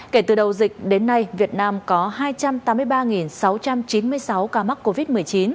kể từ đầu dịch đến nay việt nam có hai trăm tám mươi ba sáu trăm chín mươi sáu ca mắc covid một mươi chín